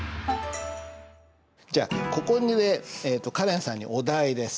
じゃあここでカレンさんにお題です。